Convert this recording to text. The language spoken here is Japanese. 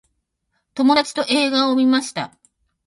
友達と映画を観ました。